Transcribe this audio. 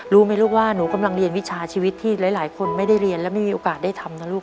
รู้ไหมลูกว่าหนูกำลังเรียนวิชาชีวิตที่หลายคนไม่ได้เรียนและไม่มีโอกาสได้ทำนะลูก